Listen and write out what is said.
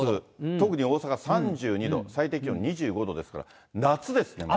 特に大阪３２度、最低気温２５度ですから、夏ですね、また。